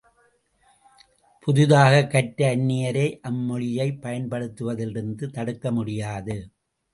புதிதாகக் கற்ற அந்நியரை, அம் மொழியைப் பயன்படுத்துவதிலிருந்து தடுக்க முடியாது.